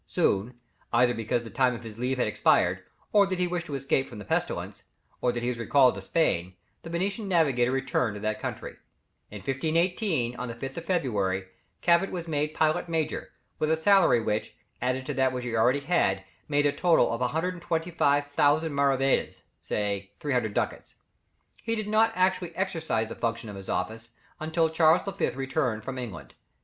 Soon, either because the time of his leave had expired, or that he wished to escape from the pestilence, or that he was recalled to Spain, the Venetian navigator returned to that country. In 1518, on the 5th of February, Cabot was made pilot major, with a salary which, added to that which he already had, made a total of 125,000 maravédis, say, 300 ducats. He did not actually exercise the functions of his office till Charles V. returned from England.